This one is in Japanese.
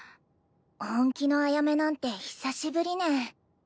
本気のアヤメなんて久しぶりね。